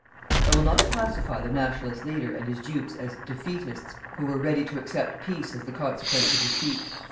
I will not classify the Nationalist leader and his dupes as "defeatists," who were ready to accept peace as the consequence of defeat.